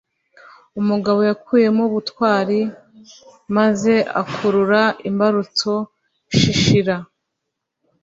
umugabo yakuyemo ubutwari maze akurura imbarutso shishir